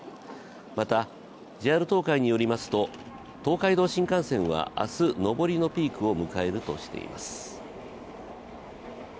またＪＲ東海によりますと、東海道新幹線は明日、上りのピークを迎えるとしています。